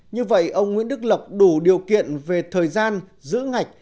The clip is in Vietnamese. như vậy ông nguyễn đức lộc đủ điều kiện về thời gian giữ ngạch